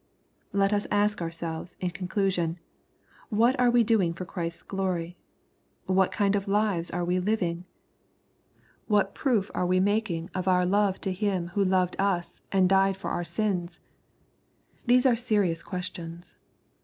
Let us ask ourselves, in conclusion. What we are doing for Christ's glory ? What kind of lives are we living ? What proof are we making of our love to Him who LUKE, CHAP. VII. 239 loved us, and died for our sins ? These are serious ques tions.